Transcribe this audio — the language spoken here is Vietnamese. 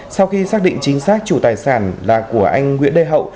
sau khi xác định chính xác chủ tài sản là của anh nguyễn đề hậu